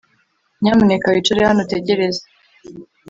Nyamuneka wicare hano utegereze